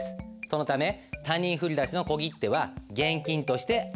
そのため他人振り出しの小切手は現金として扱うんです。